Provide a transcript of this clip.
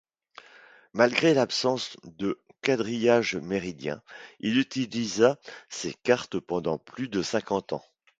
Malgré l'absence de quadrillage méridien, il utilisa ses cartes pendant plus de cinquante ans.